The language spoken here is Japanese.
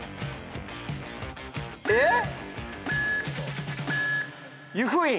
えっ！？